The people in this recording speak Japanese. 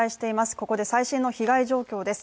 ここで最新の被害状況です